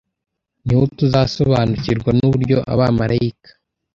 ni ho tuzasobanukirwa n’uburyo abamarayika